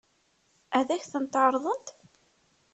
Ad k-tent-ɛeṛḍent?